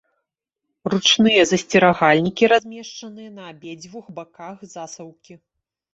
Ручныя засцерагальнікі размешчаныя на абедзвюх баках засаўкі.